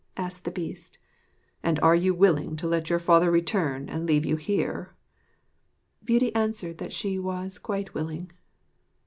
asked the Beast. 'And are you willing to let your father return and leave you here?' Beauty answered that she was quite willing.